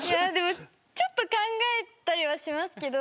ちょっと考えたりはしますけど。